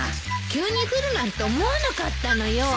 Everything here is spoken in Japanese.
急に降るなんて思わなかったのよ。